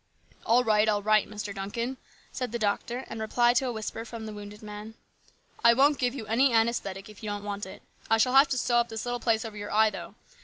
" All right, all right, Mr. Duncan," said the doctor 20 HIS BROTHER'S KEEPER. in reply to a whisper from the wounded man. " I won't give you any anaesthetic if you don't want it. I shall have to sew up this little place over your eye, though.